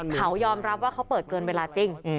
เขายอมรับว่าเขาเปิดเกินเวลาจริง